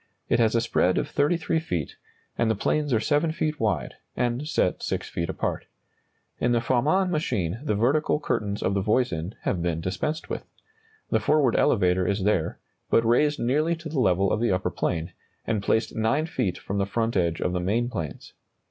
It has a spread of 33 feet, and the planes are 7 feet wide, and set 6 feet apart. In the Farman machine the vertical curtains of the Voisin have been dispensed with. The forward elevator is there, but raised nearly to the level of the upper plane, and placed 9 feet from the front edge of the main planes.